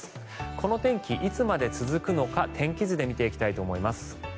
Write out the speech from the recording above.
この天気、いつまで続くのか天気図で見ていきたいと思います。